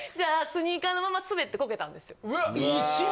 スニーカーのまま滑ってこけたんですよ。